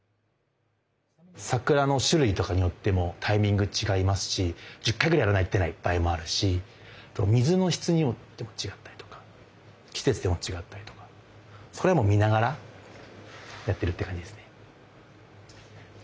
桜の種類とかによってもタイミング違いますし１０回ぐらいやらないと出ない場合もあるし水の質によっても違ったりとか季節でも違ったりとかそれはもう見ながらやってるっていう感じですね。